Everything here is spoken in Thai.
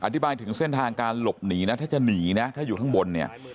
อธิบายถึงเส้นทางการหลบหนีนะถ้าจะหนีนะถ้าอยู่ข้างบนเนี่ย